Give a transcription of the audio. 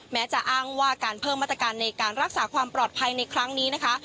แม้จะอ้างว่าการเพิ่มมาตรการในการรักษาความปลอดภัยในครั้งนี้นะคะ